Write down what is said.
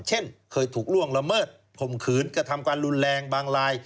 เช่นเคยถูกล่วงละเมิดข่มขืนกระทำการรุนแรงบางราย